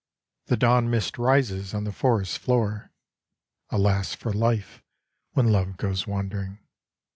The dawn mist rises on the forest floor Alas for life when love goes wandering!